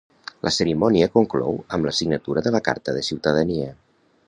La cerimònia conclou amb la signatura de la carta de ciutadania.